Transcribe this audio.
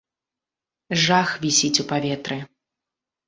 Жах вісіць у паветры.